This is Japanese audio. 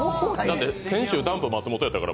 先週、ダンプ松本だったから。